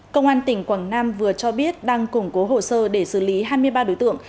công an tỉnh quảng nam vừa cho biết đang củng cố hồ sơ để xử lý hai mươi ba đối tượng